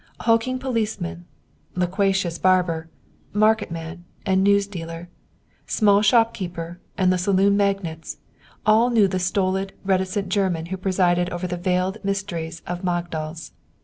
Hulking policemen, loquacious barber, marketman and newsdealer, small shop keeper, and the saloon magnates, all knew the stolid reticent German who presided over the veiled mysteries of Magdal's.